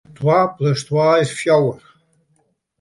Twa plus twa is fjouwer.